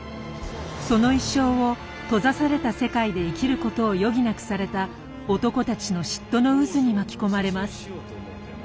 その一生を閉ざされた世界で生きることを余儀なくされた男たちの嫉妬の渦に巻き込まれます。